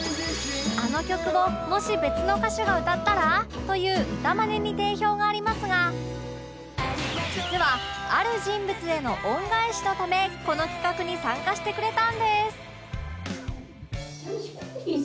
「あの曲をもし別の歌手が歌ったら？」という歌マネに定評がありますが実はある人物への恩返しのためこの企画に参加してくれたんです